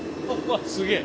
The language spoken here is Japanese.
すげえ。